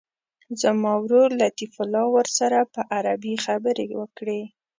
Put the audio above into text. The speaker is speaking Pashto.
زما ورور لطیف الله ورسره په عربي خبرې وکړي.